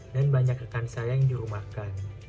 dan banyak rekan saya yang dirumahkan